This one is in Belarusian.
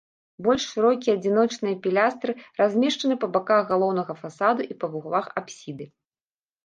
Больш шырокія адзіночныя пілястры размешчаны па баках галоўнага фасада і па вуглах апсіды.